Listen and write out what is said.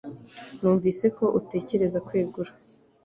Numvise ko utekereza kwegura